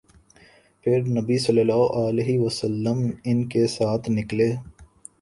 پھر نبی صلی اللہ علیہ وسلم ان کے ساتھ نکلے